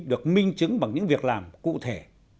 được minh chứng bằng những việc làm cụ thể